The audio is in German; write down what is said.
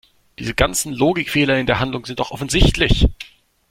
Diese ganzen Logikfehler in der Handlung sind doch offensichtlich!